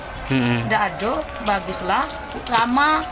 tidak ada yang seperti kecantik